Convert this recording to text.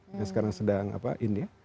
yang sekarang sedang ini ya